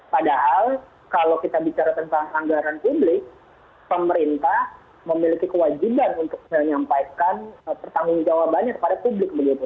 padahal kalau kita bicara tentang anggaran publik pemerintah memiliki kewajiban untuk menyampaikan pertanggung jawabannya kepada publik begitu